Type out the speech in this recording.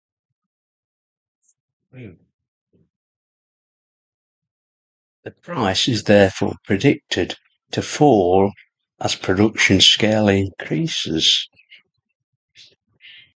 The price is therefore predicted to fall as production scale increases.